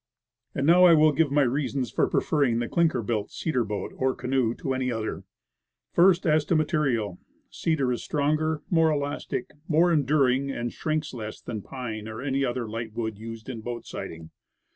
And now I will give my reasons for preferring the clinker built cedar boat, or canoe, to any other. First, as to material. Cedar is stronger, more elastic, more 142 Woodcraft. enduring, and shrinks less than pine or any other light wood used as boat siding.